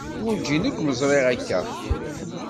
Werǧin i kem-ẓriɣ akka.